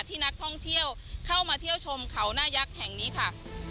ที่นักท่องเที่ยวเข้ามาเที่ยวชมเขาหน้ายักษ์แห่งนี้ค่ะ